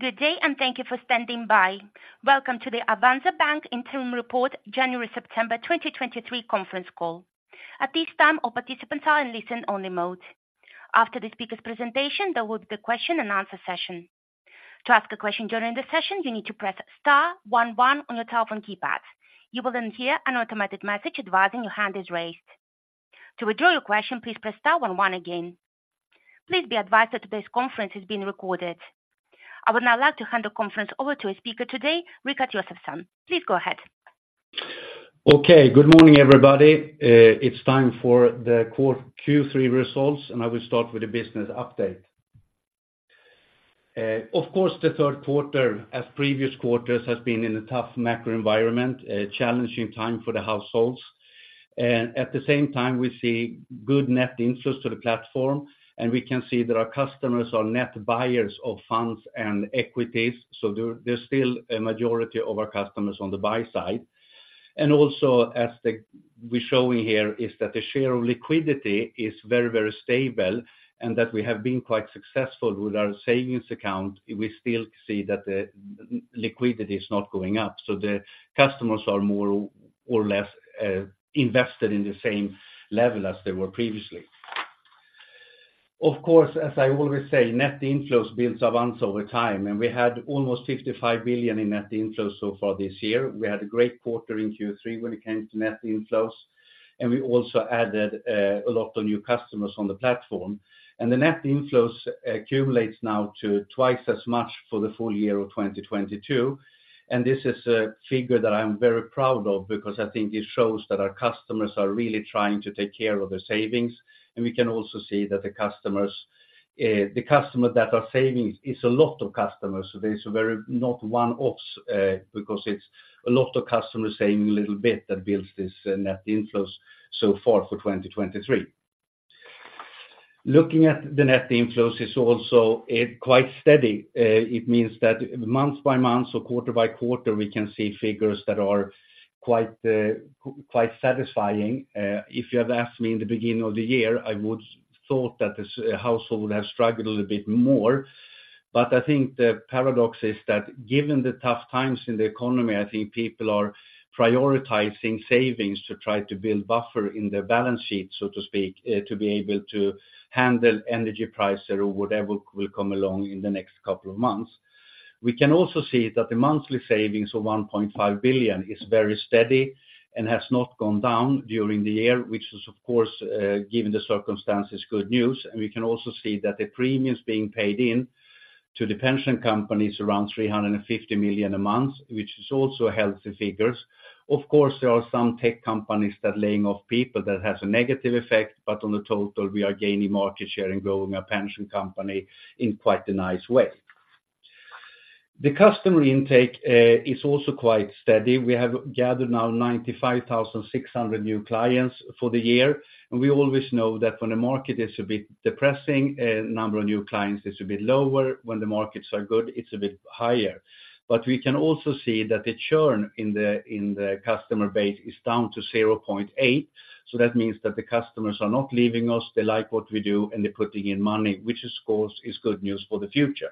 Good day, and thank you for standing by. Welcome to the Avanza Bank Interim Report January-September 2023 Conference Call. At this time, all participants are in listen-only mode. After the speaker's presentation, there will be the question and answer session. To ask a question during the session, you need to press star one one on your telephone keypad. You will then hear an automatic message advising your hand is raised. To withdraw your question, please press star one one again. Please be advised that today's conference is being recorded. I would now like to hand the conference over to a speaker today, Rikard Josefson. Please go ahead. Okay, good morning, everybody. It's time for the quarter Q3 results, and I will start with a business update. Of course, the third quarter, as previous quarters, has been in a tough macro environment, a challenging time for the households. And at the same time, we see good net inflows to the platform, and we can see that our customers are net buyers of funds and equities, so there, there's still a majority of our customers on the buy side. And also, as we're showing here, is that the share of liquidity is very, very stable and that we have been quite successful with our savings account. We still see that the liquidity is not going up, so the customers are more or less, invested in the same level as they were previously. Of course, as I always say, net inflows builds Avanza over time, and we had almost 55 billion in net inflows so far this year. We had a great quarter in Q3 when it came to net inflows, and we also added a lot of new customers on the platform. The net inflows accumulates now to twice as much for the full year of 2022, and this is a figure that I'm very proud of because I think it shows that our customers are really trying to take care of their savings. We can also see that the customers, the customer that are saving is a lot of customers. So there's very not one-offs, because it's a lot of customers saving a little bit that builds this, net inflows so far for 2023. Looking at the net inflows is also quite steady. It means that month-by-month or quarter-by -quarter, we can see figures that are quite quite satisfying. If you had asked me in the beginning of the year, I would thought that this household would have struggled a little bit more. But I think the paradox is that given the tough times in the economy, I think people are prioritizing savings to try to build buffer in their balance sheet, so to speak, to be able to handle energy prices or whatever will come along in the next couple of months. We can also see that the monthly savings of 1.5 billion is very steady and has not gone down during the year, which is, of course, given the circumstances, good news. We can also see that the premiums being paid into the pension company is around 350 million a month, which is also healthy figures. Of course, there are some tech companies that laying off people that has a negative effect, but on the total, we are gaining market share and growing our pension company in quite a nice way. The customer intake is also quite steady. We have gathered now 95,600 new clients for the year, and we always know that when the market is a bit depressing, number of new clients is a bit lower. When the markets are good, it's a bit higher. But we can also see that the churn in the customer base is down to 0.8, so that means that the customers are not leaving us, they like what we do, and they're putting in money, which is, of course, good news for the future.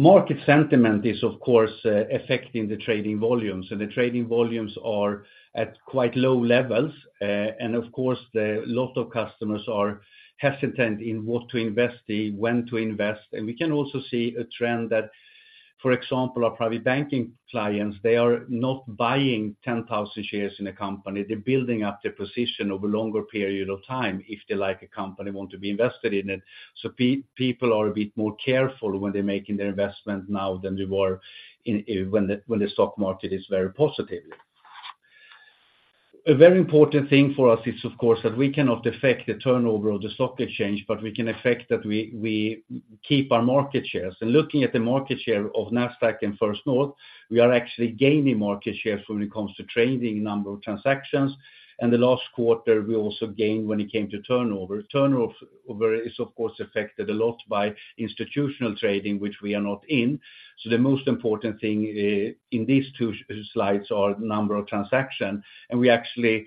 Market sentiment is, of course, affecting the trading volumes, and the trading volumes are at quite low levels. And of course, a lot of customers are hesitant in what to invest in, when to invest. And we can also see a trend that, for example, private banking clients, they are not buying 10,000 shares in a company. They're building up their position over a longer period of time if they like a company, want to be invested in it. So people are a bit more careful when they're making their investment now than they were in, when the, when the stock market is very positive. A very important thing for us is, of course, that we cannot affect the turnover of the stock exchange, but we can affect that we, we keep our market shares. And looking at the market share of Nasdaq and First North, we are actually gaining market shares when it comes to trading number of transactions, and the last quarter we also gained when it came to turnover. Turnover is, of course, affected a lot by institutional trading, which we are not in. So the most important thing in these two slides are number of transactions, and we actually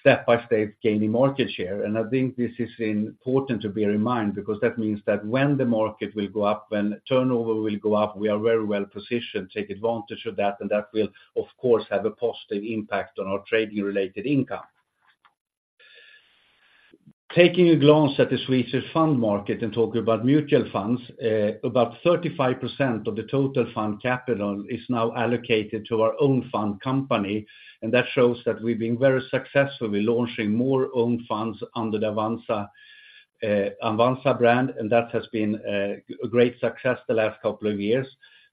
step by step gaining market share. I think this is important to bear in mind because that means that when the market will go up, when turnover will go up, we are very well positioned to take advantage of that, and that will, of course, have a positive impact on our trading-related income. Taking a glance at the Swedish fund market and talking about mutual funds, about 35% of the total fund capital is now allocated to our own fund company, and that shows that we've been very successful with launching more own funds under the Avanza, Avanza brand, and that has been a great success the last couple of years.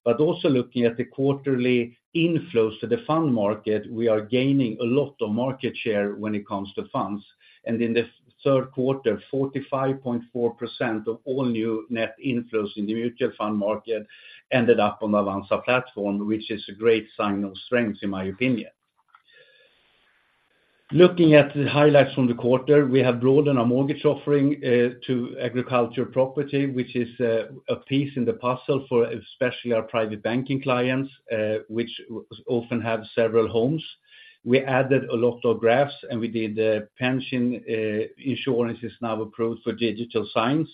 Also looking at the quarterly inflows to the fund market, we are gaining a lot of market share when it comes to funds. In the third quarter, 45.4% of all new net inflows in the mutual fund market ended up on the Avanza platform, which is a great sign of strength, in my opinion. Looking at the highlights from the quarter, we have broadened our mortgage offering to agriculture property, which is a piece in the puzzle for especially private banking clients, which often have several homes. We added a lot of graphs, and we did the pension insurance is now approved for digital signs.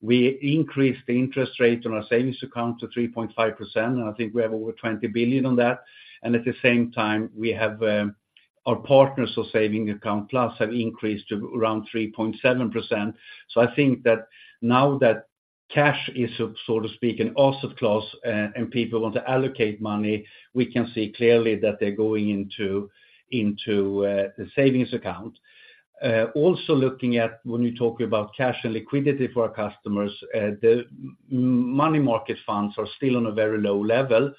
We increased the interest rate on our savings account to 3.5%, and I think we have over 20 billion on that. And at the same time, we have our partners of Savings Account+ have increased to around 3.7%. So I think that now that cash is, so to speak, an asset class, and people want to allocate money, we can see clearly that they're going into the savings account. Also looking at when you talk about cash and liquidity for our customers, the money market funds are still on a very low level,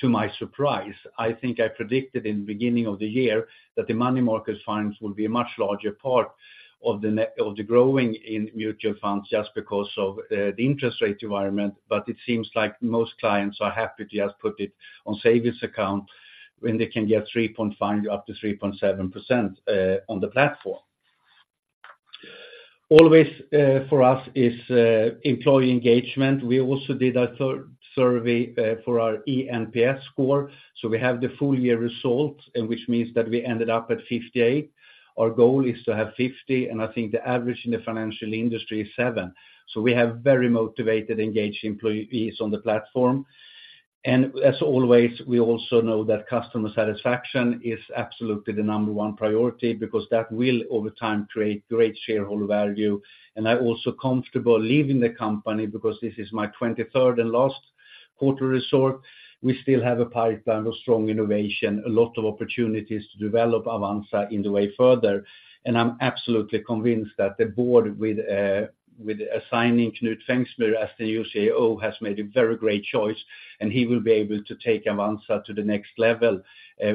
to my surprise. I think I predicted in the beginning of the year that the money market funds will be a much larger part of the growing in mutual funds just because of the interest rate environment. But it seems like most clients are happy to just put it on savings account when they can get 3.5%-3.7% on the platform. Always for us is employee engagement. We also did a survey for our eNPS score, so we have the full year results, which means that we ended up at 58. Our goal is to have 50, and I think the average in the financial industry is 7. So we have very motivated, engaged employees on the platform. As always, we also know that customer satisfaction is absolutely the number one priority, because that will, over time, create great shareholder value. And I'm also comfortable leaving the company because this is my 23rd and last quarter result. We still have a pipeline of strong innovation, a lot of opportunities to develop Avanza in the way further. I'm absolutely convinced that the board, with assigning Knut Frängsmyr as the new CEO, has made a very great choice, and he will be able to take Avanza to the next level,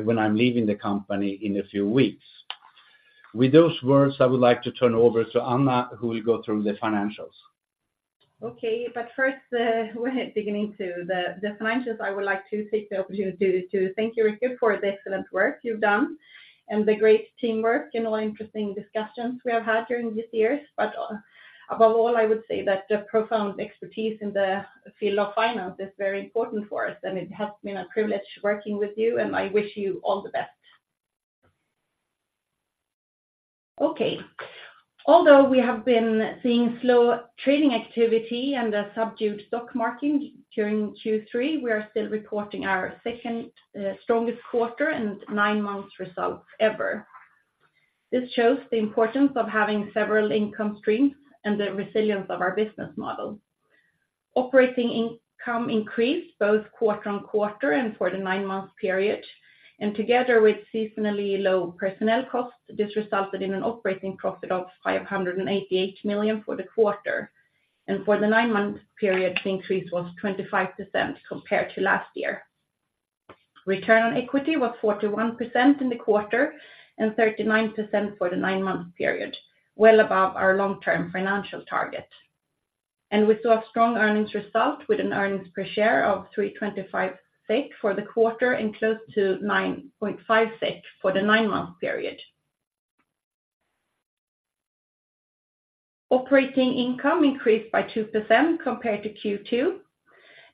when I'm leaving the company in a few weeks. With those words, I would like to turn over to Anna, who will go through the financials. Okay, but first, we're digging into the, the financials, I would like to take the opportunity to thank you, Rikard, for the excellent work you've done and the great teamwork and all interesting discussions we have had during these years. But, above all, I would say that the profound expertise in the field of finance is very important for us, and it has been a privilege working with you, and I wish you all the best. Okay, although we have been seeing slow trading activity and a subdued stock market during Q3, we are still reporting our second, strongest quarter and nine-month results ever. This shows the importance of having several income streams and the resilience of our business model. Operating income increased both quarter-on-quarter and for the nine-month period, and together with seasonally low personnel costs, this resulted in an operating profit of 588 million for the quarter. For the nine-month period, the increase was 25% compared to last year. Return on equity was 41% in the quarter and 39% for the nine-month period, well above our long-term financial target. We saw a strong earnings result with an earnings per share of 3.25 SEK for the quarter and close to 9.5 SEK for the nine-month period. Operating income increased by 2% compared to Q2,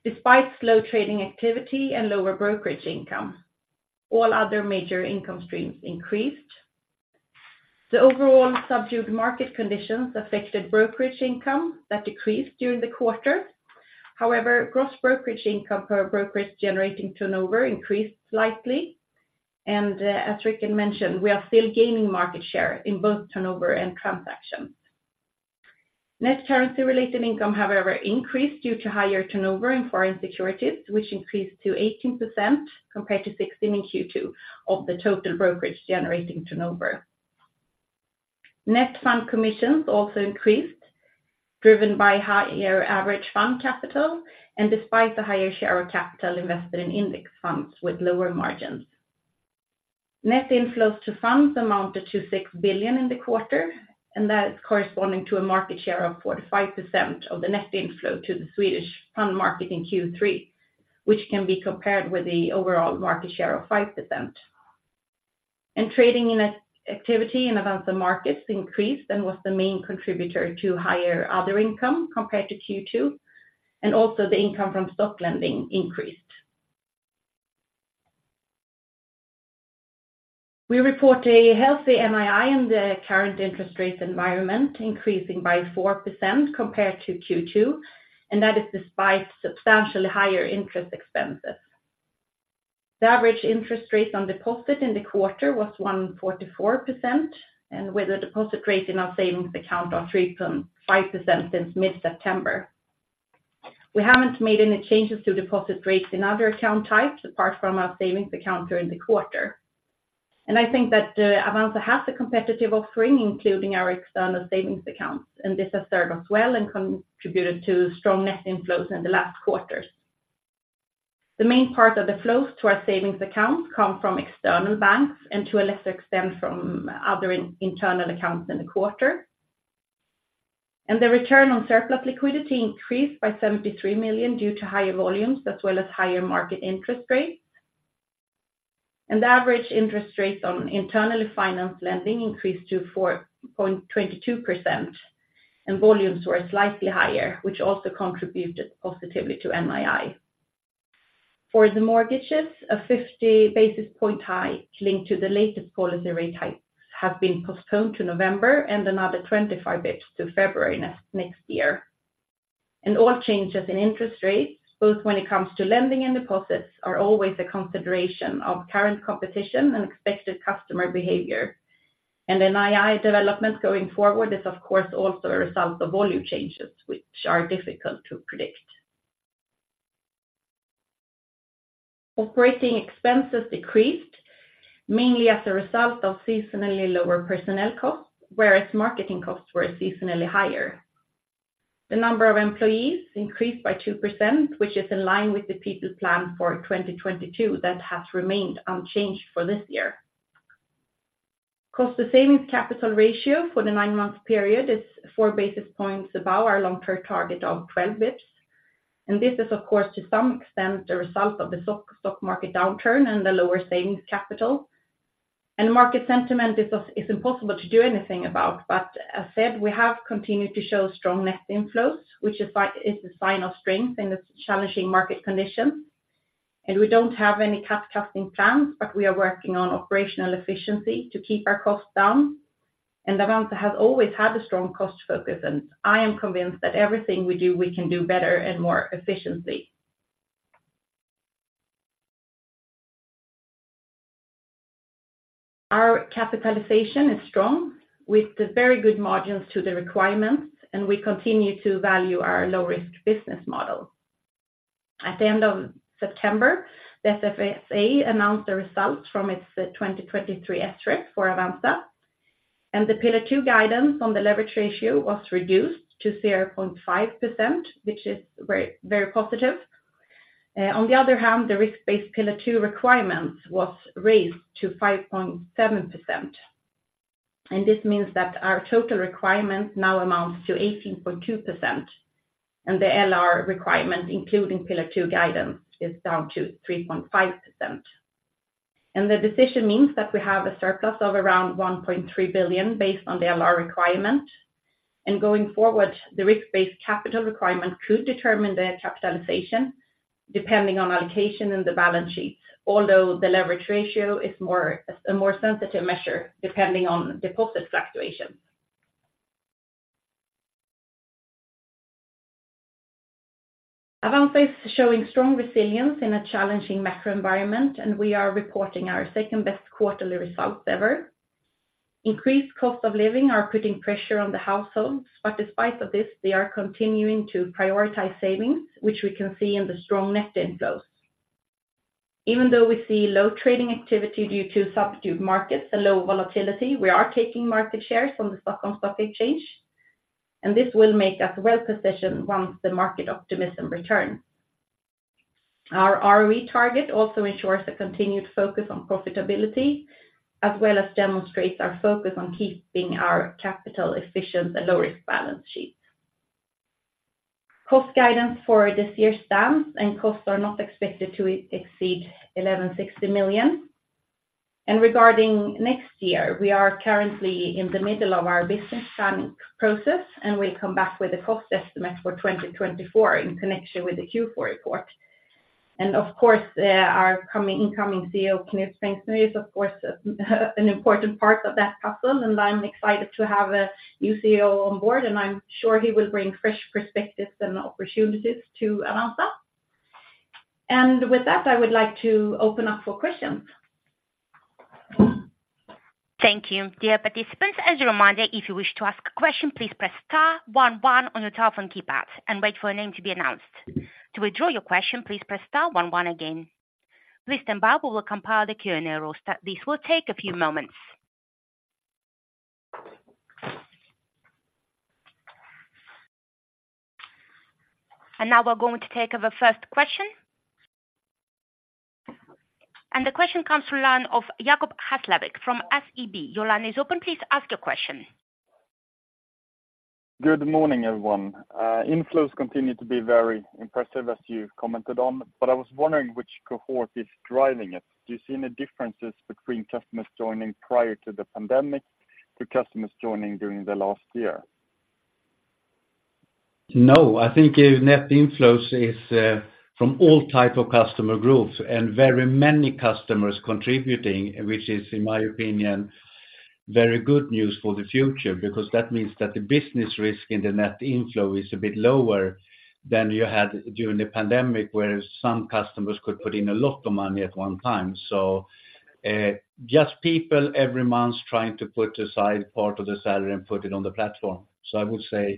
despite slow trading activity and lower brokerage income. All other major income streams increased. The overall subdued market conditions affected brokerage income that decreased during the quarter. However, gross brokerage income per brokerage generating turnover increased slightly, and, as Rikard mentioned, we are still gaining market share in both turnover and transactions. Net currency-related income, however, increased due to higher turnover in foreign securities, which increased to 18% compared to 16% in Q2 of the total brokerage-generating turnover. Net fund commissions also increased, driven by higher average fund capital, and despite the higher share of capital invested in index funds with lower margins. Net inflows to funds amounted to 6 billion in the quarter, and that is corresponding to a market share of 45% of the net inflow to the Swedish fund market in Q3, which can be compared with the overall market share of 5%. Trading activity in Avanza Markets increased and was the main contributor to higher other income compared to Q2, and also the income from stock lending increased. We report a healthy NII in the current interest rate environment, increasing by 4% compared to Q2, and that is despite substantially higher interest expenses. The average interest rates on deposit in the quarter was 1.44%, and with a deposit rate in our savings account of 3.5% since mid-September. We haven't made any changes to deposit rates in other account types, apart from our savings account during the quarter. And I think that, Avanza has a competitive offering, including our external savings accounts, and this has served us well and contributed to strong net inflows in the last quarters. The main part of the flows to our savings accounts come from external banks and to a lesser extent, from other internal accounts in the quarter. The return on surplus liquidity increased by 73 million due to higher volumes as well as higher market interest rates. The average interest rates on internally financed lending increased to 4.22%, and volumes were slightly higher, which also contributed positively to NII. For the mortgages, a 50 basis point hike linked to the latest policy rate hike have been postponed to November and another 25 basis points to February next year. All changes in interest rates, both when it comes to lending and deposits, are always a consideration of current competition and expected customer behavior. NII development going forward is, of course, also a result of volume changes, which are difficult to predict. Operating expenses decreased, mainly as a result of seasonally lower personnel costs, whereas marketing costs were seasonally higher. The number of employees increased by 2%, which is in line with the people plan for 2022, that has remained unchanged for this year. Cost to savings capital ratio for the nine-month period is four basis points above our long-term target of 12 basis points, and this is, of course, to some extent the result of the stock market downturn and the lower savings capital. Market sentiment is impossible to do anything about, but as said, we have continued to show strong net inflows, which is a sign of strength in this challenging market conditions. We don't have any cutting plans, but we are working on operational efficiency to keep our costs down. Avanza has always had a strong cost focus, and I am convinced that everything we do, we can do better and more efficiently. Our capitalization is strong, with the very good margins to the requirements, and we continue to value our low-risk business model. At the end of September, the SFSA announced the results from its 2023 SREP for Avanza, and the Pillar 2 guidance on the leverage ratio was reduced to 0.5%, which is very, very positive. On the other hand, the risk-based Pillar 2 requirements was raised to 5.7%, and this means that our total requirement now amounts to 18.2%, and the LR requirement, including Pillar 2 guidance, is down to 3.5%. The decision means that we have a surplus of around 1.3 billion based on the LR requirement. Going forward, the risk-based capital requirement could determine the capitalization depending on allocation in the balance sheet, although the leverage ratio is a more sensitive measure depending on deposit fluctuations. Avanza is showing strong resilience in a challenging macro environment, and we are reporting our second-best quarterly results ever. Increased cost of living is putting pressure on the households, but despite this, they are continuing to prioritize savings, which we can see in the strong net inflows. Even though we see low trading activity due to subdued markets and low volatility, we are taking market shares on the Stockholm Stock Exchange, and this will make us well-positioned once the market optimism returns. Our ROE target also ensures a continued focus on profitability, as well as demonstrates our focus on keeping our capital efficient and low-risk balance sheet. Cost guidance for this year stands, and costs are not expected to exceed 1.160 billion. Regarding next year, we are currently in the middle of our business planning process, and we come back with a cost estimate for 2024 in connection with the Q4 report. Of course, our coming, incoming CEO, Knut Frängsmyr, is, of course, an important part of that puzzle, and I'm excited to have a new CEO on board, and I'm sure he will bring fresh perspectives and opportunities to Avanza. With that, I would like to open up for questions. Thank you. Dear participants, as a reminder, if you wish to ask a question, please press star one one on your telephone keypad and wait for your name to be announced. To withdraw your question, please press star one one again. Please stand by, we will compile the Q&A roster. This will take a few moments. Now we're going to take the first question. The question comes from line of Jacob Hesslevik from SEB. Your line is open, please ask your question. Good morning, everyone. Inflows continue to be very impressive, as you commented on, but I was wondering which cohort is driving it. Do you see any differences between customers joining prior to the pandemic to customers joining during the last year? No, I think net inflows is from all type of customer groups and very many customers contributing, which is, in my opinion, very good news for the future, because that means that the business risk in the net inflow is a bit lower than you had during the pandemic, where some customers could put in a lot of money at one time. So, just people every month trying to put aside part of the salary and put it on the platform. So I would say,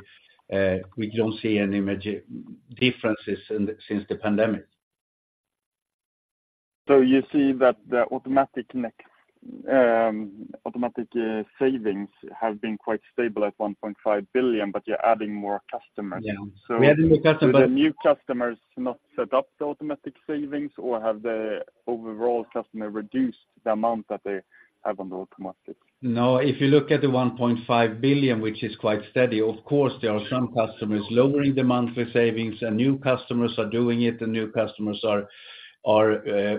we don't see any major differences since the pandemic. So you see that the automatic net savings have been quite stable at 1.5 billion, but you're adding more customers? Yeah, we're adding more customers, but- Do the new customers not set up the automatic savings, or have the overall customer reduced the amount that they have on the automatic? No. If you look at the 1.5 billion, which is quite steady, of course, there are some customers lowering the monthly savings, and new customers are doing it, and new customers are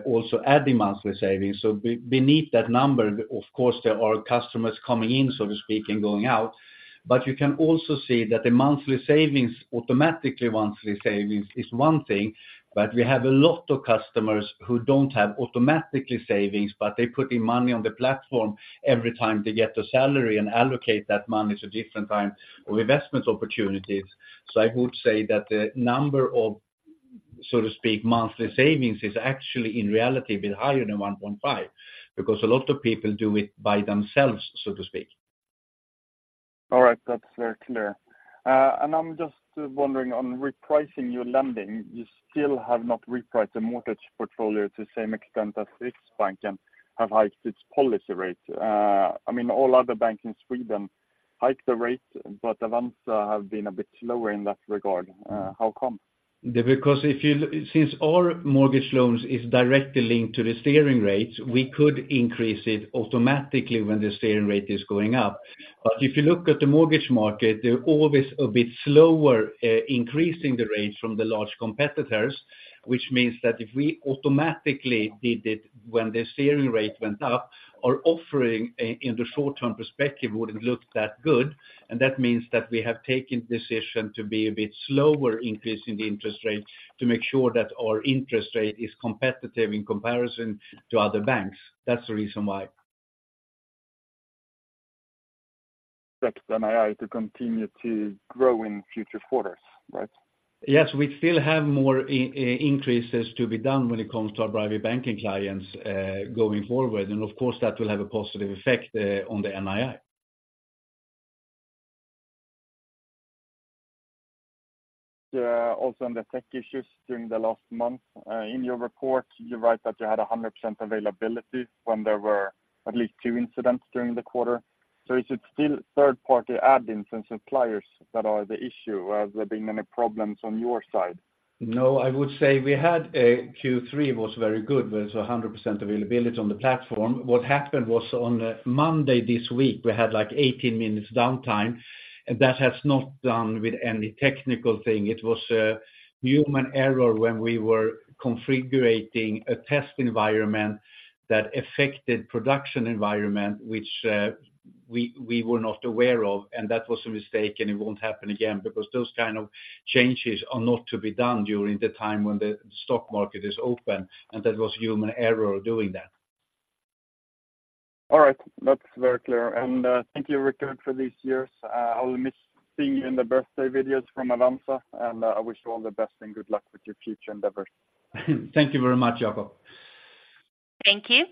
also adding monthly savings. So beneath that number, of course, there are customers coming in, so to speak, and going out. But you can also see that the monthly savings, automatically monthly savings is one thing, but we have a lot of customers who don't have automatically savings, but they're putting money on the platform every time they get a salary and allocate that money to different kind of investment opportunities. So I would say that the number of-... so to speak, monthly savings is actually in reality a bit higher than 1.5 billion, because a lot of people do it by themselves, so to speak. All right, that's very clear. I'm just wondering, on repricing your lending, you still have not repriced the mortgage portfolio to the same extent as Riksbank have hiked its policy rate. I mean, all other banks in Sweden hiked the rate, but Avanza have been a bit slower in that regard. How come? Because since our mortgage loans is directly linked to the STIBOR rates, we could increase it automatically when the STIBOR rate is going up. But if you look at the mortgage market, they're always a bit slower increasing the rates from the large competitors, which means that if we automatically did it when the STIBOR rate went up, our offering in the short-term perspective wouldn't look that good. And that means that we have taken decision to be a bit slower increasing the interest rate, to make sure that our interest rate is competitive in comparison to other banks. That's the reason why. That's NII to continue to grow in future quarters, right? Yes, we still have more increases to be done when it comes to private banking clients, going forward. And of course, that will have a positive effect on the NII. Also on the tech issues during the last month. In your report, you write that you had 100% availability when there were at least two incidents during the quarter. So is it still third-party admins and suppliers that are the issue? Or have there been any problems on your side? No, I would say we had, Q3 was very good. There was 100% availability on the platform. What happened was on, Monday this week, we had, like, 18 minutes downtime, and that had nothing to do with any technical thing. It was a human error when we were configuring a test environment that affected production environment, which, we, we were not aware of, and that was a mistake, and it won't happen again. Because those kind of changes are not to be done during the time when the stock market is open, and that was human error doing that. All right. That's very clear. And, thank you, Rikard, for these years. I'll miss seeing you in the birthday videos from Avanza, and, I wish you all the best and good luck with your future endeavors. Thank you very much, Jacob. Thank you.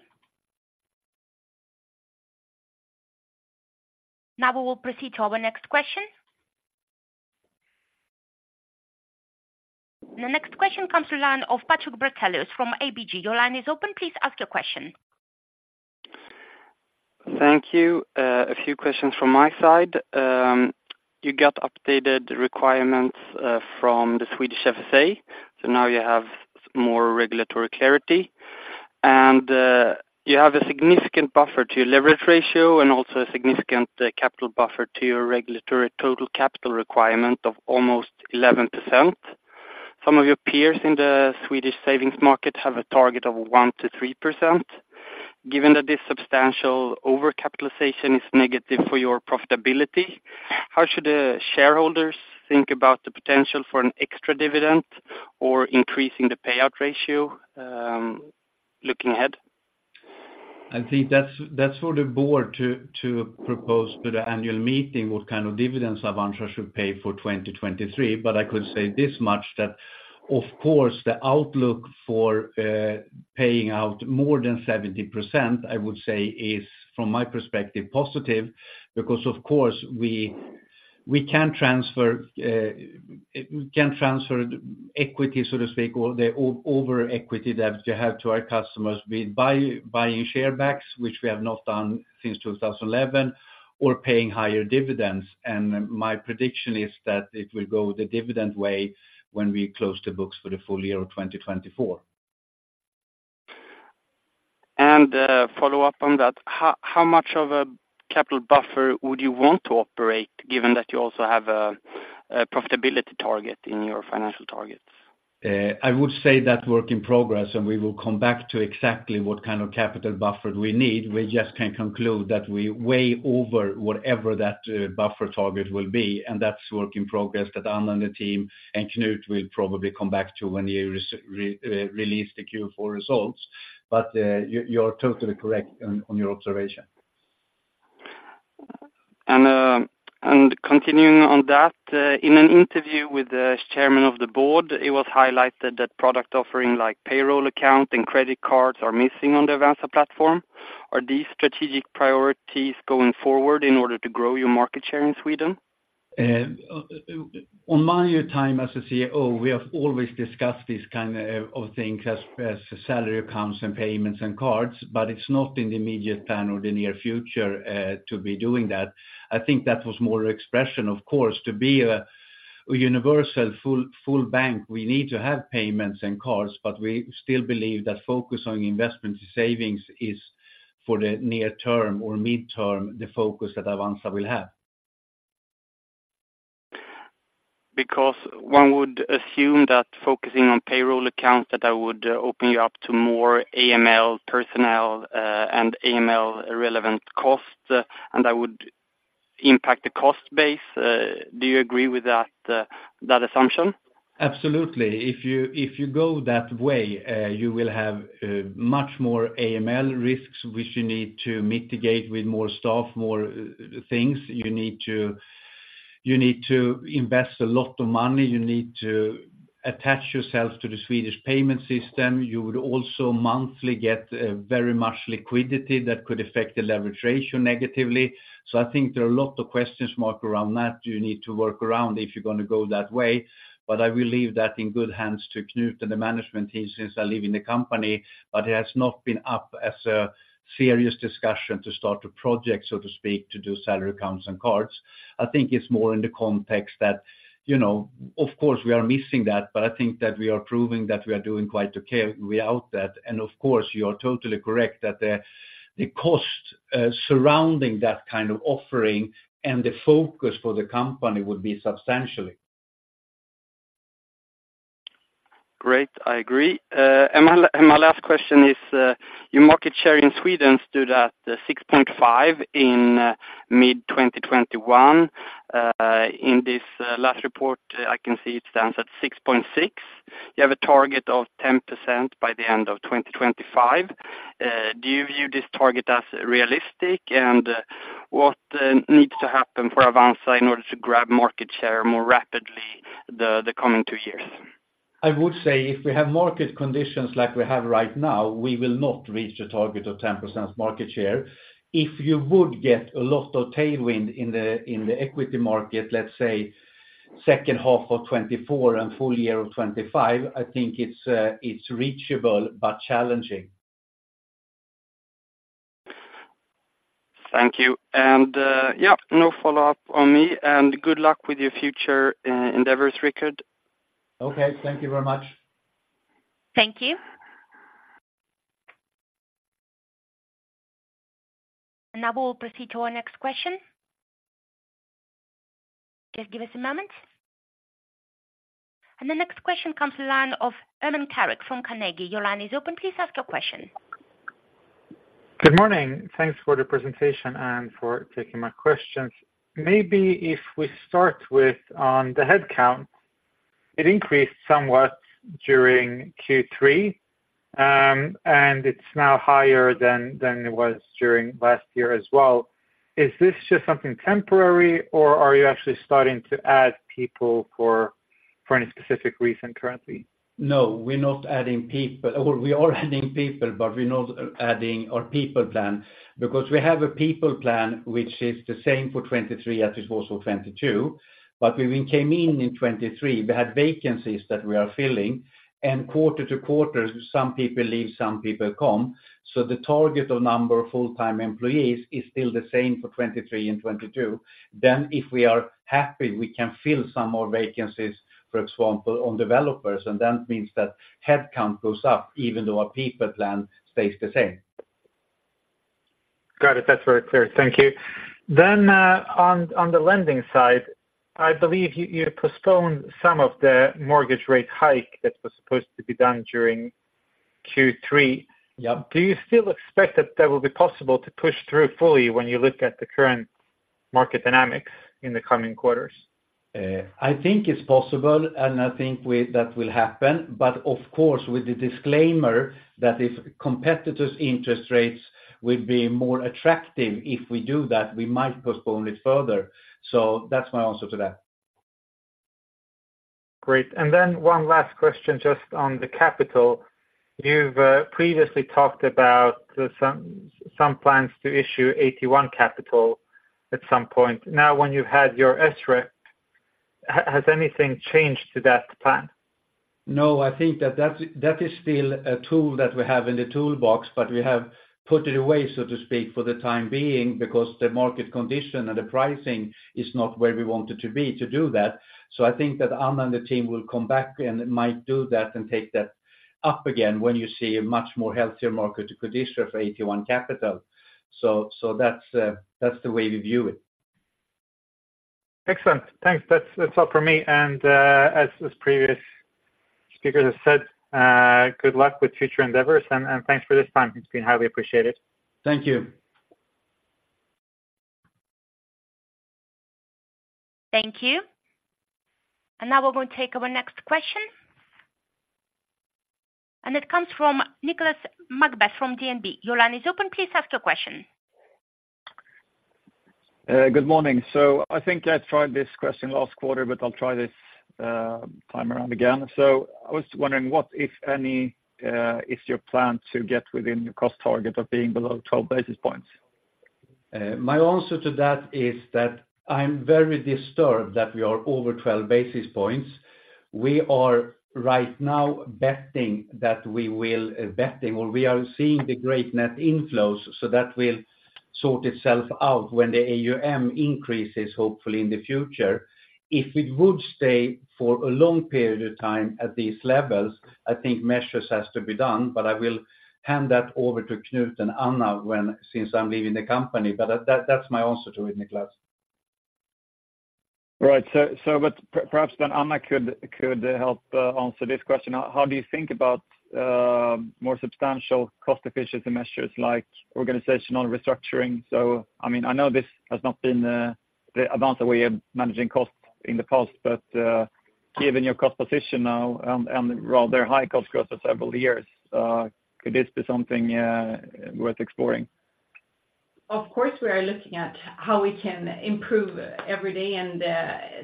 Now we will proceed to our next question. The next question comes to line of Patrik Brattelius from ABG. Your line is open. Please ask your question. Thank you. A few questions from my side. You got updated requirements from the Swedish FSA, so now you have more regulatory clarity. And you have a significant buffer to your leverage ratio, and also a significant capital buffer to your regulatory total capital requirement of almost 11%. Some of your peers in the Swedish savings market have a target of 1%-3%. Given that this substantial overcapitalization is negative for your profitability, how should the shareholders think about the potential for an extra dividend or increasing the payout ratio, looking ahead? I think that's for the board to propose to the annual meeting what kind of dividends Avanza should pay for 2023. But I could say this much, that of course the outlook for paying out more than 70%, I would say, is from my perspective positive. Because of course we can transfer equity, so to speak, or the over equity that we have to our customers with buying share backs, which we have not done since 2011, or paying higher dividends. My prediction is that it will go the dividend way when we close the books for the full year of 2024. Follow up on that. How much of a capital buffer would you want to operate, given that you also have a profitability target in your financial targets? I would say that work in progress, and we will come back to exactly what kind of capital buffer we need. We just can conclude that we're way over whatever that buffer target will be, and that's work in progress that Anna and the team and Knut will probably come back to when they release the Q4 results. But, you're totally correct on your observation. And continuing on that, in an interview with the chairman of the board, it was highlighted that product offering like payroll account and credit cards are missing on the Avanza platform. Are these strategic priorities going forward in order to grow your market share in Sweden? On my time as a CEO, we have always discussed these kind of things as salary accounts and payments and cards, but it's not in the immediate plan or the near future to be doing that. I think that was more expression, of course, to be a universal, full bank, we need to have payments and cards, but we still believe that focusing on investment savings is for the near term or midterm, the focus that Avanza will have. Because one would assume that focusing on payroll accounts, that would open you up to more AML personnel, and AML-relevant costs, and that would impact the cost base. Do you agree with that assumption? Absolutely. If you go that way, you will have much more AML risks, which you need to mitigate with more staff, more things. You need to invest a lot of money. You need to attach yourself to the Swedish payment system. You would also monthly get very much liquidity that could affect the leverage ratio negatively. So I think there are a lot of question marks around that you need to work around if you're gonna go that way. But I will leave that in good hands to Knut and the management team since I leave the company. But it has not been up as a serious discussion to start a project, so to speak, to do salary accounts and cards. I think it's more in the context that, you know, of course, we are missing that, but I think that we are proving that we are doing quite okay without that. And of course, you are totally correct that the, the cost surrounding that kind of offering and the focus for the company would be substantial. Great, I agree. And my last question is, your market share in Sweden stood at 6.5% in mid-2021. In this last report, I can see it stands at 6.6%. You have a target of 10% by the end of 2025. Do you view this target as realistic? And what needs to happen for Avanza in order to grab market share more rapidly the coming two years? I would say if we have market conditions like we have right now, we will not reach the target of 10% market share. If you would get a lot of tailwind in the equity market, let's say second half of 2024 and full year of 2025, I think it's reachable but challenging. Thank you. And, yeah, no follow-up on me. And good luck with your future endeavors, Rikard. Okay, thank you very much. Thank you. Now we'll proceed to our next question. Just give us a moment. The next question comes from the line of Ermin Keric from Carnegie. Your line is open. Please ask your question. Good morning. Thanks for the presentation and for taking my questions. Maybe if we start with on the headcount, it increased somewhat during Q3, and it's now higher than it was during last year as well. Is this just something temporary, or are you actually starting to add people for any specific reason currently? No, we're not adding people. Well, we are adding people, but we're not adding our people plan. Because we have a people plan which is the same for 2023 as it was for 2022. But when we came in in 2023, we had vacancies that we are filling, and quarter to quarter, some people leave, some people come. So the target of number of full-time employees is still the same for 2023 and 2022. Then, if we are happy, we can fill some more vacancies, for example, on developers, and that means that headcount goes up even though our people plan stays the same. Got it. That's very clear. Thank you. Then, on the lending side, I believe you postponed some of the mortgage rate hike that was supposed to be done during Q3. Yeah. Do you still expect that that will be possible to push through fully when you look at the current market dynamics in the coming quarters? I think it's possible, and I think that will happen. But of course, with the disclaimer that if competitors' interest rates will be more attractive, if we do that, we might postpone it further. So that's my answer to that. Great. And then one last question, just on the capital. You've previously talked about some plans to issue AT1 capital at some point. Now, when you had your SREP, has anything changed to that plan? No, I think that that's, that is still a tool that we have in the toolbox, but we have put it away, so to speak, for the time being, because the market condition and the pricing is not where we want it to be to do that. So I think that Anna and the team will come back and might do that and take that up again when you see a much more healthier market condition for AT1 capital. So, so that's, that's the way we view it. Excellent. Thanks. That's, that's all for me. And, as, as previous speakers have said, good luck with future endeavors, and, and thanks for this time. It's been highly appreciated. Thank you. Thank you. And now we will take our next question. And it comes from Niklas Magnusson from DNB. Your line is open. Please ask your question. Good morning. I think I tried this question last quarter, but I'll try this time around again. I was wondering, what, if any, is your plan to get within your cost target of being below 12 basis points? My answer to that is that I'm very disturbed that we are over 12 basis points. We are right now betting, or we are seeing the great net inflows, so that will sort itself out when the AUM increases, hopefully in the future. If it would stay for a long period of time at these levels, I think measures has to be done, but I will hand that over to Knut and Anna when since I'm leaving the company. But that, that's my answer to it, Niklas. Right. But perhaps then Anna could help answer this question. How do you think about more substantial cost efficiency measures like organizational restructuring? So, I mean, I know this has not been the amount that we are managing costs in the past, but given your cost position now and rather high cost growth for several years, could this be something worth exploring? Of course, we are looking at how we can improve every day, and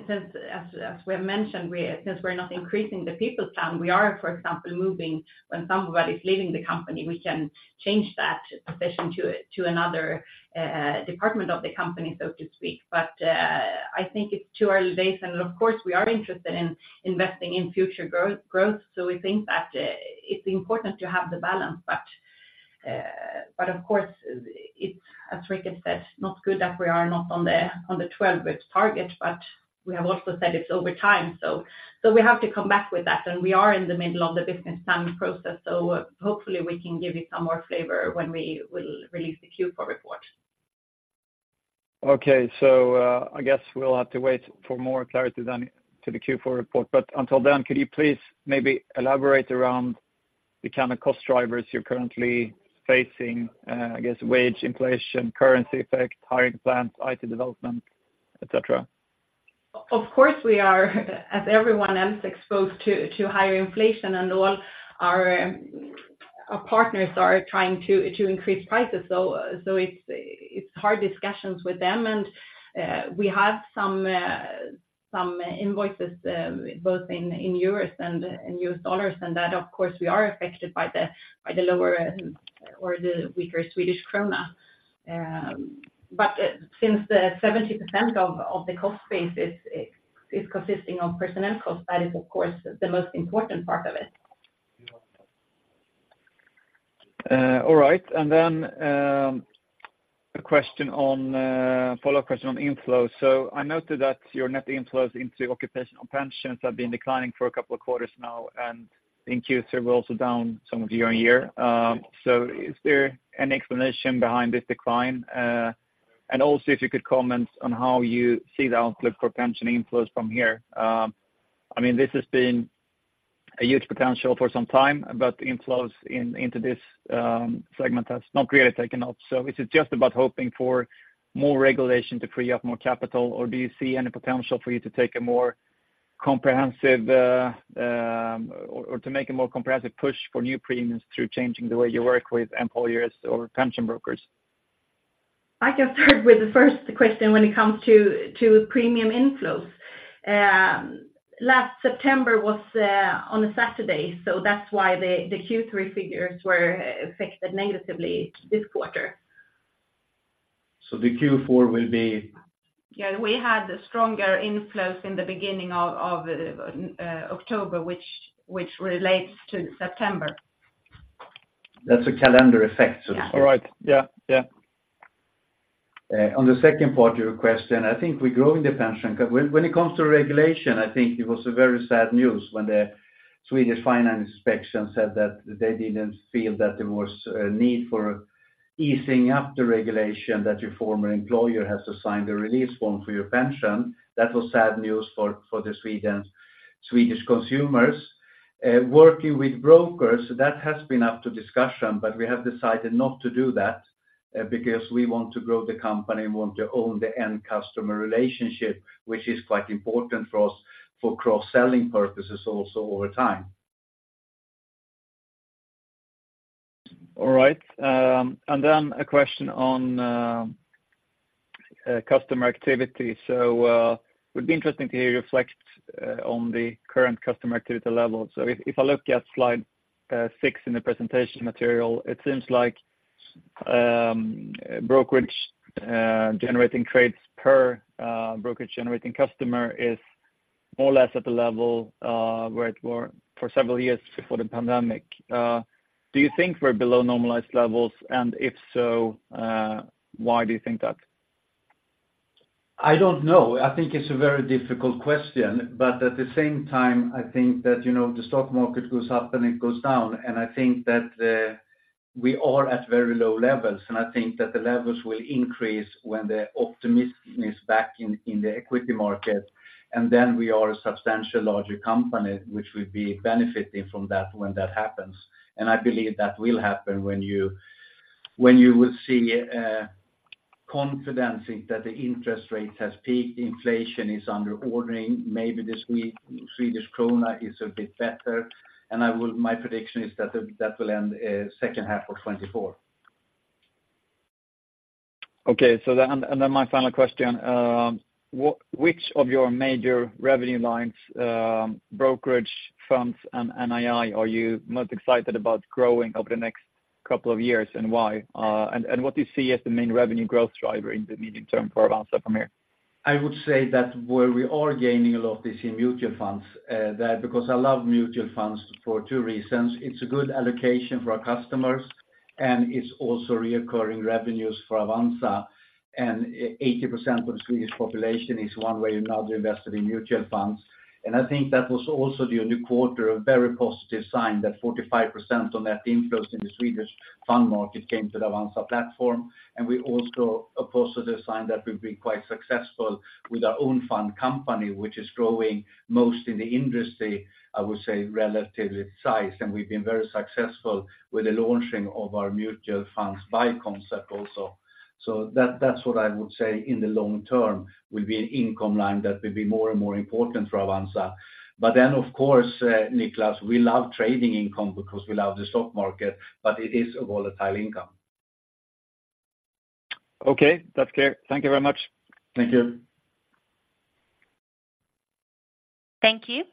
since, as we have mentioned, since we're not increasing the people plan, we are, for example, moving when somebody's leaving the company; we can change that position to another department of the company, so to speak. But I think it's too early days, and of course, we are interested in investing in future growth. So we think that it's important to have the balance. But of course, it's, as Rikard said, not good that we are not on the 12 bit target, but we have also said it's over time. So we have to come back with that, and we are in the middle of the business planning process, so hopefully we can give you some more flavor when we will release the Q4 report. Okay, so, I guess we'll have to wait for more clarity then to the Q4 report. But until then, could you please maybe elaborate around the kind of cost drivers you're currently facing? I guess, wage inflation, currency effect, hiring plans, IT development, et cetera. Of course, we are, as everyone else, exposed to higher inflation, and all our partners are trying to increase prices. So it's hard discussions with them. And we have some invoices, both in euros and in US dollars, and that, of course, we are affected by the lower or the weaker Swedish krona. But since the 70% of the cost base is consisting of personnel costs, that is, of course, the most important part of it. All right. And then, a follow-up question on inflows. So I noted that your net inflows into occupational pensions have been declining for a couple of quarters now, and in Q3, we're also down some year-over-year. So is there any explanation behind this decline? And also, if you could comment on how you see the outlook for pension inflows from here. I mean, this has been a huge potential for some time, but inflows into this segment has not really taken off. So is it just about hoping for more regulation to free up more capital, or do you see any potential for you to take a more comprehensive, or to make a more comprehensive push for new premiums through changing the way you work with employers or pension brokers? I can start with the first question when it comes to premium inflows. Last September was on a Saturday, so that's why the Q3 figures were affected negatively this quarter. The Q4 will be? Yeah, we had stronger inflows in the beginning of October, which relates to September. That's a calendar effect, so to speak. All right. Yeah, yeah. On the second part of your question, I think we grow in the pension. When it comes to regulation, I think it was a very sad news when the Swedish Financial Supervisory Authority said that they didn't feel that there was a need for easing up the regulation, that your former employer has to sign the release form for your pension. That was sad news for the Swedish consumers. Working with brokers, that has been up to discussion, but we have decided not to do that, because we want to grow the company and want to own the end customer relationship, which is quite important for us for cross-selling purposes also over time. All right, and then a question on customer activity. So, it would be interesting to hear you reflect on the current customer activity level. So if I look at slide six in the presentation material, it seems like brokerage generating trades per brokerage generating customer is more or less at the level where it were for several years before the pandemic. Do you think we're below normalized levels? And if so, why do you think that? I don't know. I think it's a very difficult question, but at the same time, I think that, you know, the stock market goes up, and it goes down, and I think that, we are at very low levels, and I think that the levels will increase when the optimism is back in, in the equity market. And then we are a substantial larger company, which will be benefiting from that when that happens. And I believe that will happen when you, when you will see, confidence in that the interest rate has peaked, inflation is under control, maybe the Swedish krona is a bit better, and I'll – my prediction is that the, that will end, second half of 2024. Okay, so then, and then my final question. What, which of your major revenue lines, brokerage, funds, and NII, are you most excited about growing over the next couple of years, and why? And, and what do you see as the main revenue growth driver in the medium term for Avanza from here? I would say that where we are gaining a lot is in mutual funds, that because I love mutual funds for two reasons: It's a good allocation for our customers, and it's also recurring revenues for Avanza, and 80% of the Swedish population is one way or another invested in mutual funds. And I think that was also the new quarter, a very positive sign, that 45% of net inflows in the Swedish fund market came to the Avanza platform. And we also a positive sign that we've been quite successful with our own fund company, which is growing most in the industry, I would say, relative to its size. And we've been very successful with the launching of our mutual funds buy concept also. So, that, that's what I would say in the long term will be an income line that will be more and more important for Avanza. But then, of course, Niklas, we love trading income because we love the stock market, but it is a volatile income. Okay, that's clear. Thank you very much. Thank you. Thank you.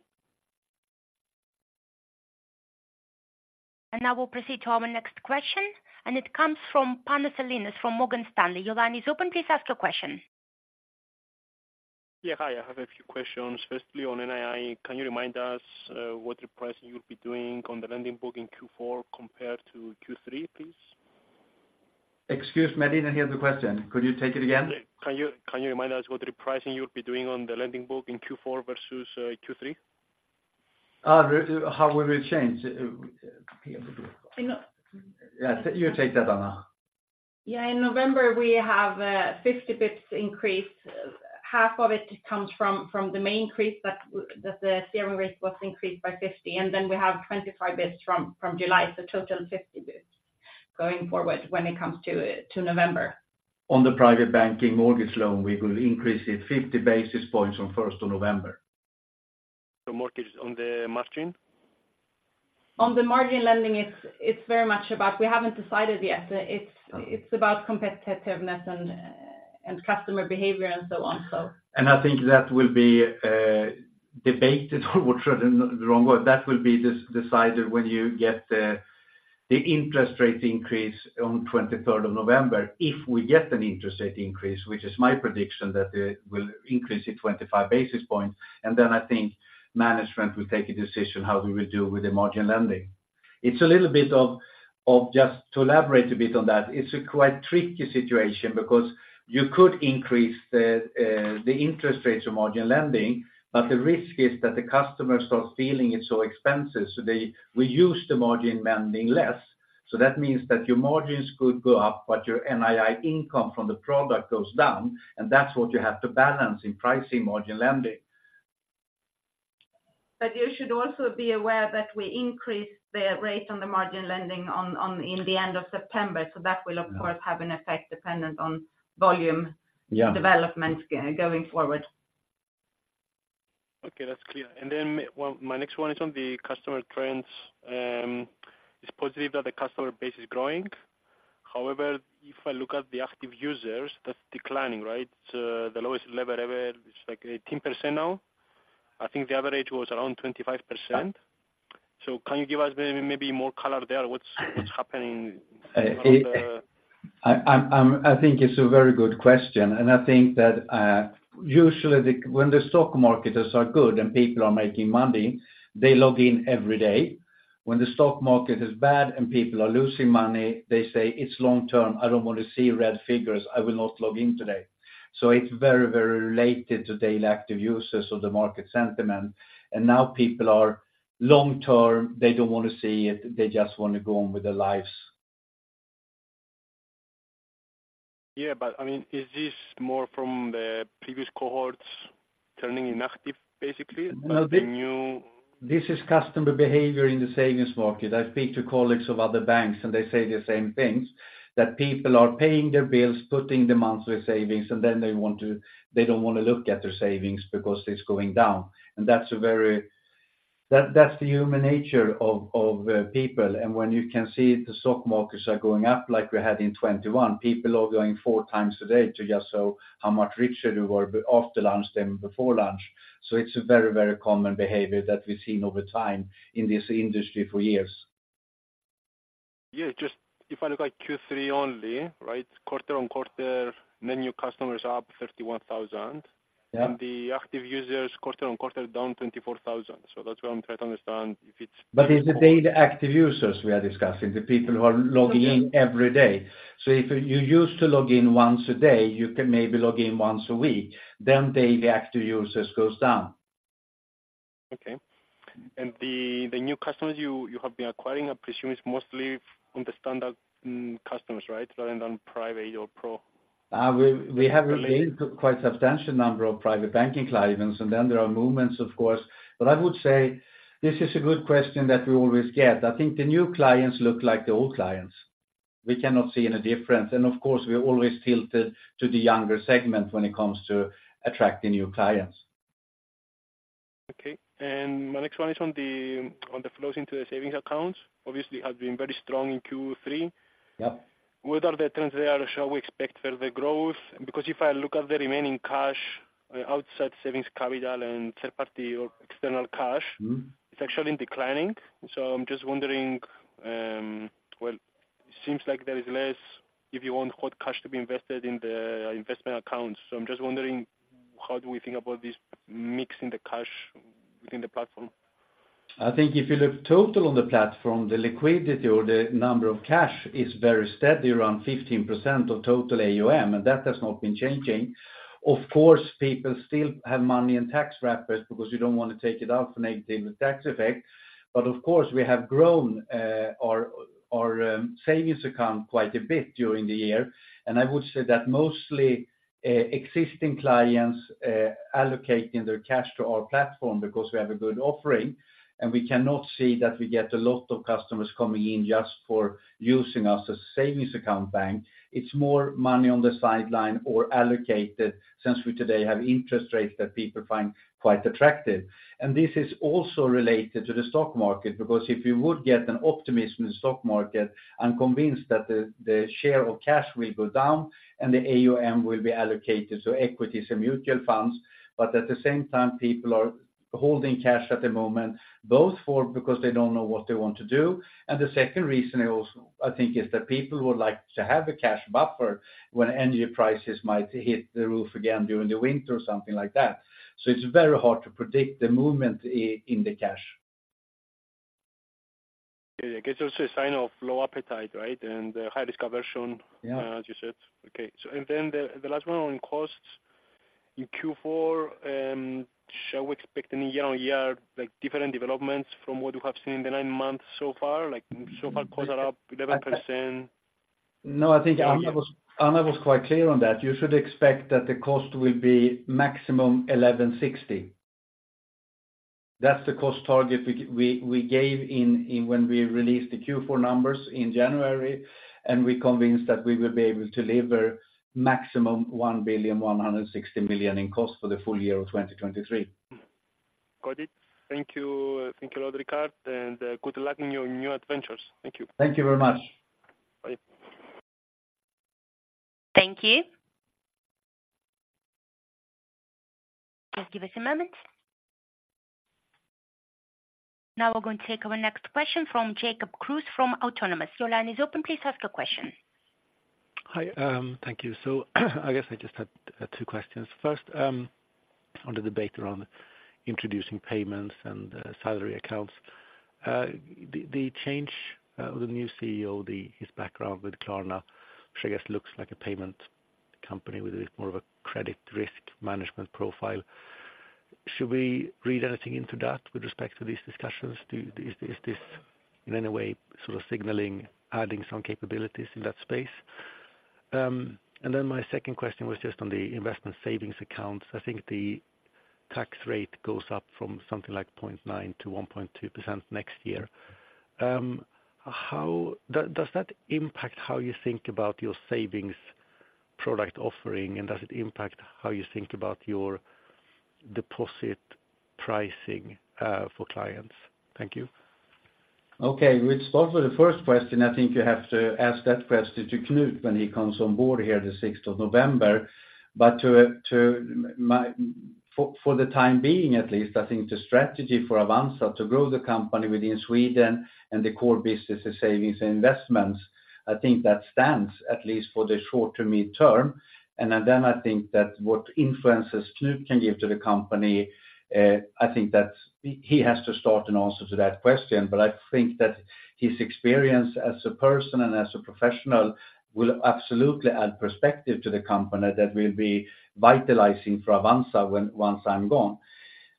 Now we'll proceed to our next question, and it comes from Panos Ellinas from Morgan Stanley. Your line is open, please ask your question. Yeah, hi, I have a few questions. Firstly, on NII, can you remind us what repricing you'll be doing on the lending book in Q4 compared to Q3, please? Excuse me, I didn't hear the question. Could you take it again? Can you remind us what repricing you'll be doing on the lending book in Q4 versus Q3? How we will change... Yeah, you take that, Anna. Yeah, in November, we have 50 basis points increase. Half of it comes from the main increase, but that the CRM risk was increased by 50, and then we have 25 basis points from July, so total 50 basis points going forward when it comes to November. On private banking mortgage loan, we will increase it 50 basis points on the first of November. So mortgage on the margin? On the margin lending, it's very much about... We haven't decided yet. It's about competitiveness and customer behavior and so on, so. I think that will be, debated, or the wrong word. That will be decided when you get the interest rate increase on November 23. If we get an interest rate increase, which is my prediction, that it will increase to 25 basis points, and then I think management will take a decision how we will deal with the margin lending. It's a little bit just to elaborate a bit on that, it's a quite tricky situation because you could increase the interest rates on margin lending, but the risk is that the customers are feeling it so expensive, so they will use the margin lending less. So that means that your margins could go up, but your NII income from the product goes down, and that's what you have to balance in pricing margin lending. But you should also be aware that we increased the rate on the margin lending in the end of September. So that will, of course, have an effect dependent on volume- Yeah - development, going forward. Okay, that's clear. Well, my next one is on the customer trends. It's positive that the customer base is growing. However, if I look at the active users, that's declining, right? So the lowest level ever, it's like 18% now. I think the average was around 25%. So can you give us maybe more color there, what's happening on the- I think it's a very good question, and I think that usually when the stock markets are good and people are making money, they log in every day. When the stock market is bad and people are losing money, they say: "It's long term. I don't want to see red figures. I will not log in today." So it's very, very related to daily active users of the market sentiment. And now people are long-term, they don't want to see it, they just want to go on with their lives. Yeah, but, I mean, is this more from the previous cohorts turning inactive, basically? Well, the- The new- This is customer behavior in the savings market. I speak to colleagues of other banks, and they say the same things, that people are paying their bills, putting the monthly savings, and then they want to—they don't want to look at their savings because it's going down. And that's a very... That, that's the human nature of people. And when you can see the stock markets are going up, like we had in 2021, people are going four times a day to just see how much richer you were after lunch than before lunch. So it's a very, very common behavior that we've seen over time in this industry for years. Yeah, just if I look at Q3 only, right, quarter-on-quarter, many new customers up 31,000. Yeah. The active users, quarter-on-quarter, down 24,000. So that's why I'm trying to understand if it's- But it's the daily active users we are discussing, the people who are logging in every day. Okay. If you used to log in once a day, you can maybe log in once a week. Then daily active users goes down. Okay. And the new customers you have been acquiring, I presume, is mostly on the standard customers, right? Other than private or pro? We have gained quite a substantial number private banking clients, and then there are movements, of course. But I would say this is a good question that we always get. I think the new clients look like the old clients. We cannot see any difference. And of course, we are always tilted to the younger segment when it comes to attracting new clients. Okay. And my next one is on the flows into the savings accounts. Obviously, has been very strong in Q3. Yeah. Whether the trends there, shall we expect further growth? Because if I look at the remaining cash, outside savings capital and third party or external cash- Mm-hmm It's actually declining. So I'm just wondering, well, it seems like there is less, if you want, hot cash to be invested in the investment accounts. So I'm just wondering, how do we think about this mix in the cash within the platform?... I think if you look total on the platform, the liquidity or the number of cash is very steady, around 15% of total AUM, and that has not been changing. Of course, people still have money in tax wrappers because you don't want to take it out for negative tax effect. But of course, we have grown our savings account quite a bit during the year, and I would say that mostly existing clients allocating their cash to our platform because we have a good offering, and we cannot see that we get a lot of customers coming in just for using us as a savings account bank. It's more money on the sideline or allocated since we today have interest rates that people find quite attractive. This is also related to the stock market, because if you would get an optimism in stock market, I'm convinced that the share of cash will go down and the AUM will be allocated to equities and mutual funds. But at the same time, people are holding cash at the moment, both for because they don't know what they want to do, and the second reason is also, I think, that people would like to have a cash buffer when energy prices might hit the roof again during the winter or something like that. So it's very hard to predict the movement in the cash. It gives us a sign of low appetite, right? And high risk aversion- Yeah As you said. Okay. So and then the last one on costs. In Q4, shall we expect any year-on-year, like, different developments from what you have seen in the nine months so far? Like, so far, costs are up 11%. No, I think Anna was quite clear on that. You should expect that the cost will be maximum 1.160 billion. That's the cost target we gave in when we released the Q4 numbers in January, and we're convinced that we will be able to deliver maximum 1.160 billion in cost for the full year of 2023. Got it. Thank you. Thank you, Rikard, and, good luck in your new adventures. Thank you. Thank you very much. Bye. Thank you. Just give us a moment. Now we're going to take our next question from Jacob Kruse from Autonomous. Your line is open. Please ask your question. Hi, thank you. So I guess I just had two questions. First, on the debate around introducing payments and salary accounts. The change with the new CEO, his background with Klarna, which I guess looks like a payment company with more of a credit risk management profile, should we read anything into that with respect to these discussions? Is this in any way sort of signaling adding some capabilities in that space? And then my second question was just on the investment savings accounts. I think the tax rate goes up from something like 0.9%-1.2% next year. Does that impact how you think about your savings product offering, and does it impact how you think about your deposit pricing for clients? Thank you. Okay. We'll start with the first question. I think you have to ask that question to Knut when he comes on board here, the 6th of November. But for the time being, at least, I think the strategy for Avanza to grow the company within Sweden and the core business and savings and investments, I think that stands at least for the short to mid-term. And then I think that what influences Knut can give to the company, I think that he has to start an answer to that question. But I think that his experience as a person and as a professional will absolutely add perspective to the company that will be vitalizing for Avanza once I'm gone.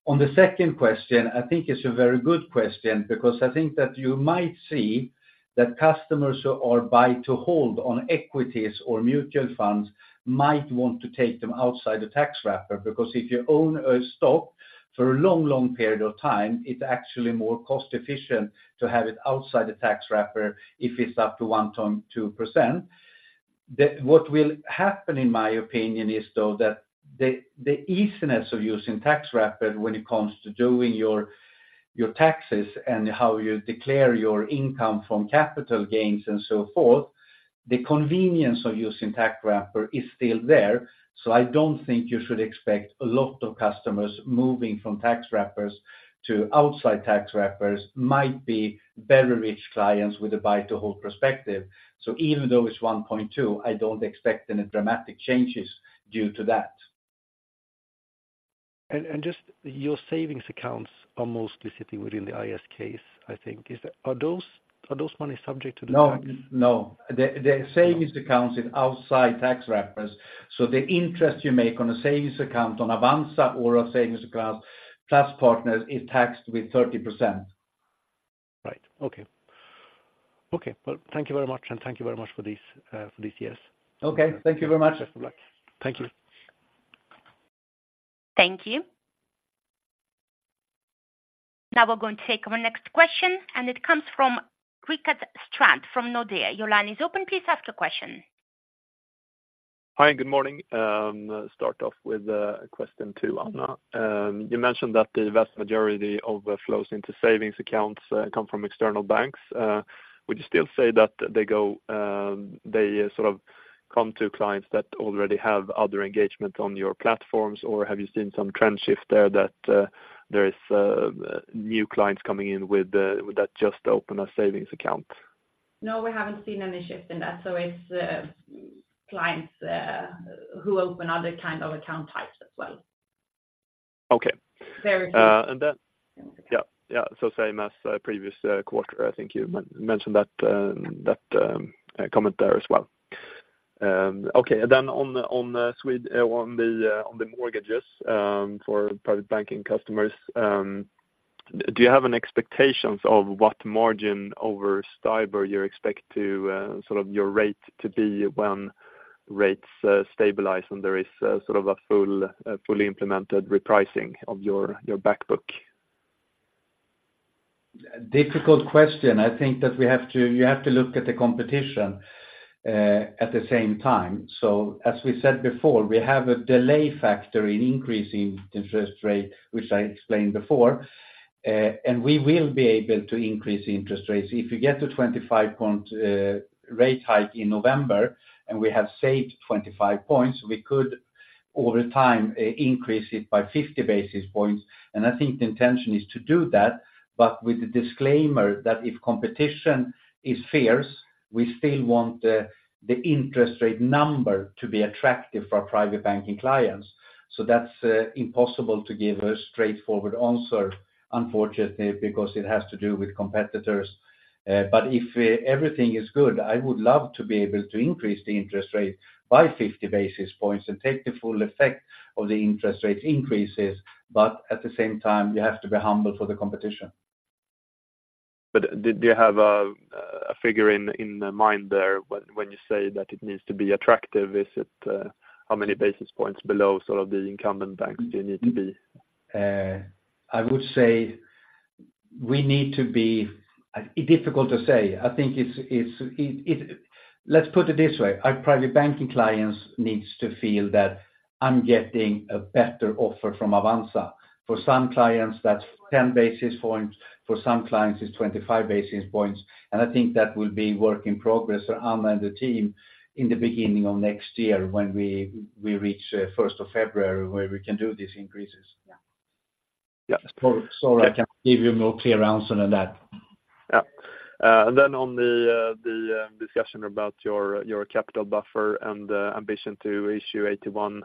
On the second question, I think it's a very good question because I think that you might see that customers who are buy to hold on equities or mutual funds might want to take them outside the tax wrapper, because if you own a stock for a long, long period of time, it's actually more cost efficient to have it outside the tax wrapper if it's up to 1.2%. What will happen, in my opinion, is, though, that the easiness of using tax wrapper when it comes to doing your taxes and how you declare your income from capital gains and so forth, the convenience of using tax wrapper is still there. So I don't think you should expect a lot of customers moving from tax wrappers to outside tax wrappers, might be very rich clients with a buy-to-hold perspective. So even though it's 1.2, I don't expect any dramatic changes due to that. And just your savings accounts are mostly sitting within the ISK, I think. Is that - are those money subject to the tax? No, no. No... savings accounts is outside tax wrappers, so the interest you make on a savings account on Avanza or a Savings Account+ partners, is taxed with 30%. Right. Okay. Okay, well, thank you very much, and thank you very much for this, for these years. Okay, thank you very much. Best of luck. Thank you. Thank you. Now we're going to take our next question, and it comes from Rickard Strand from Nordea. Your line is open. Please ask your question. Hi, good morning. Start off with a question to Anna. You mentioned that the vast majority of the flows into savings accounts come from external banks. Would you still say that they go, they sort of come to clients that already have other engagement on your platforms, or have you seen some trend shift there that there is new clients coming in with that just open a savings account? No, we haven't seen any shift in that. So it's, clients, who open other kind of account types as well. Okay. Very good. And then, yeah, yeah, so same as previous quarter. I think you mentioned that comment there as well. Okay, and then on the Swedish mortgages private banking customers, do you have an expectations of what margin over STIBOR you expect to sort of your rate to be when rates stabilize, and there is sort of a full fully implemented repricing of your back book? Difficult question. I think that we have to you have to look at the competition at the same time. So as we said before, we have a delay factor in increasing interest rate, which I explained before. And we will be able to increase the interest rates. If we get to 25-point rate hike in November, and we have saved 25 points, we could, over time, increase it by 50 basis points. And I think the intention is to do that, but with the disclaimer that if competition is fierce, we still want the interest rate number to be attractive for private banking clients. So that's impossible to give a straightforward answer, unfortunately, because it has to do with competitors. But if everything is good, I would love to be able to increase the interest rate by 50 basis points and take the full effect of the interest rate increases. But at the same time, you have to be humble for the competition. Do you have a figure in mind there when you say that it needs to be attractive? Is it how many basis points below sort of the incumbent banks do you need to be? I would say we need to be difficult to say. I think it's let's put it this way: private banking clients needs to feel that I'm getting a better offer from Avanza. For some clients, that's 10 basis points; for some clients, it's 25 basis points, and I think that will be work in progress for Anna and the team in the beginning of next year when we reach first of February, where we can do these increases. Yeah. Sorry, I can't give you a more clear answer than that. Yeah. Then on the discussion about your capital buffer and ambition to issue AT1,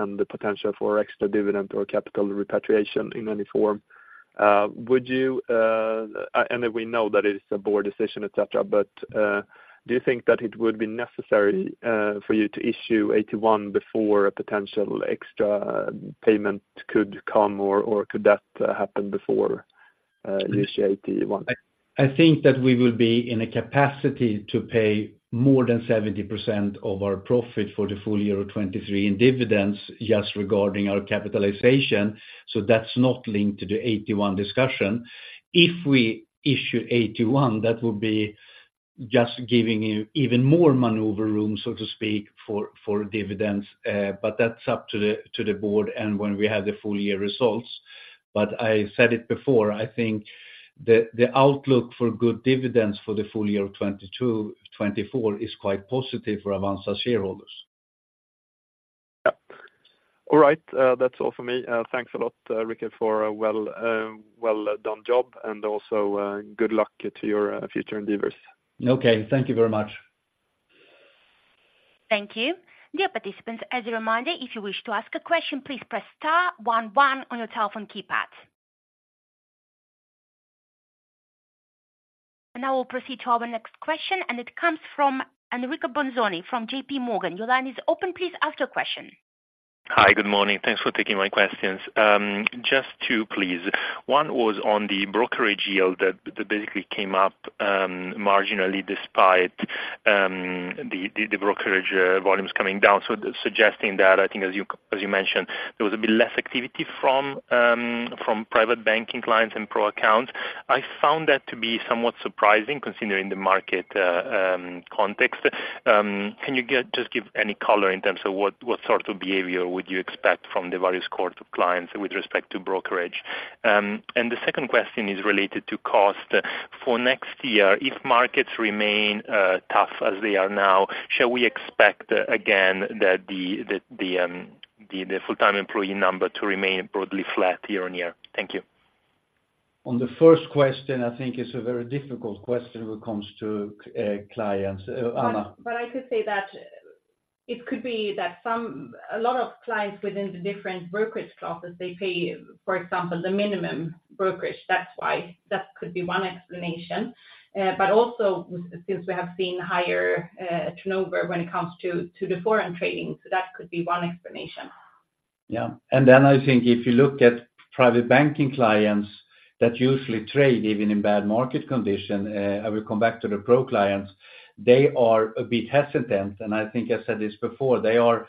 and the potential for extra dividend or capital repatriation in any form, would you... We know that it's a board decision, et cetera, et cetera, but do you think that it would be necessary for you to issue AT1 before a potential extra payment could come, or could that happen before you issue AT1? I think that we will be in a capacity to pay more than 70% of our profit for the full year of 2023 in dividends, just regarding our capitalization, so that's not linked to the AT1 discussion. If we issue AT1, that will be just giving you even more maneuver room, so to speak, for dividends. But that's up to the board and when we have the full year results. But I said it before, I think the outlook for good dividends for the full year of 2022, 2024 is quite positive for Avanza shareholders. Yeah. All right, that's all for me. Thanks a lot, Rikard, for a well-done job, and also good luck to your future endeavors. Okay. Thank you very much. Thank you. Dear participants, as a reminder, if you wish to ask a question, please press star one one on your telephone keypad. Now we'll proceed to our next question, and it comes from Enrico Bolzoni from JPMorgan. Your line is open. Please ask your question. Hi. Good morning. Thanks for taking my questions. Just two, please. One was on the brokerage yield that basically came up marginally, despite the brokerage volumes coming down. So suggesting that, I think as you mentioned, there was a bit less activity private banking clients and Pro accounts. I found that to be somewhat surprising, considering the market context. Can you just give any color in terms of what sort of behavior would you expect from the various cohort of clients with respect to brokerage? And the second question is related to cost. For next year, if markets remain tough as they are now, shall we expect again that the full-time employee number to remain broadly flat year-on-year? Thank you. On the first question, I think it's a very difficult question when it comes to clients. Anna? But I could say that it could be that some a lot of clients within the different brokerage classes, they pay, for example, the minimum brokerage. That's why. That could be one explanation. But also, since we have seen higher turnover when it comes to the foreign trading, so that could be one explanation. Yeah. And then I think if you look private banking clients, that usually trade even in bad market condition, I will come back to the Pro clients. They are a bit hesitant, and I think I said this before, they are...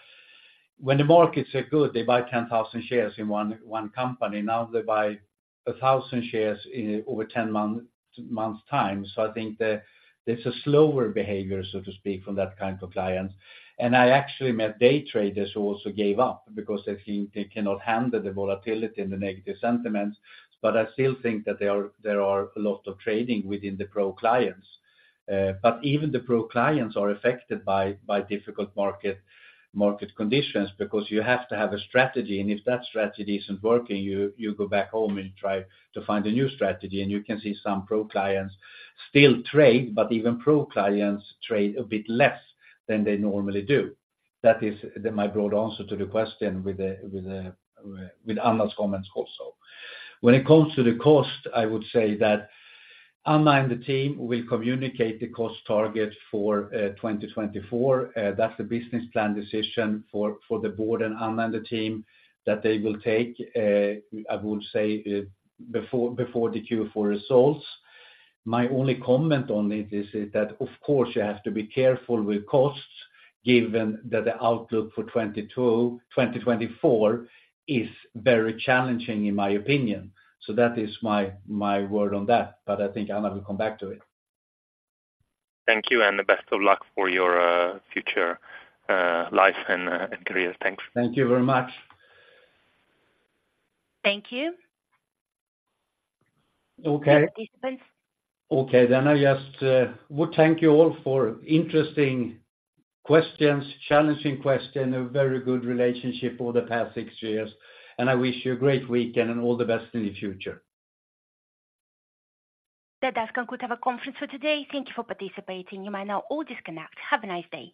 When the markets are good, they buy 10,000 shares in one company. Now they buy 1,000 shares in over 10 months' time. So I think there's a slower behavior, so to speak, from that kind of clients. And I actually met day traders who also gave up because they feel they cannot handle the volatility and the negative sentiments. But I still think that there are a lot of trading within the Pro clients. But even the Pro clients are affected by difficult market conditions, because you have to have a strategy, and if that strategy isn't working, you go back home and try to find a new strategy. And you can see some Pro clients still trade, but even Pro clients trade a bit less than they normally do. That is my broad answer to the question with Anna's comments also. When it comes to the cost, I would say that Anna and the team will communicate the cost target for 2024. That's a business plan decision for the board and Anna and the team, that they will take, I would say, before the Q4 results. My only comment on it is, is that, of course, you have to be careful with costs, given that the outlook for 2022-2024 is very challenging, in my opinion. So that is my, my word on that, but I think Anna will come back to it. Thank you, and the best of luck for your future, life and career. Thanks. Thank you very much. Thank you. Okay. Participants. Okay, then I just would thank you all for interesting questions, challenging question, a very good relationship for the past six years, and I wish you a great weekend and all the best in the future. That does conclude our conference for today. Thank you for participating. You may now all disconnect. Have a nice day.